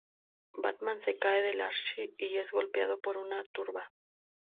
Batman se cae de "Archie" y es golpeado por una turba.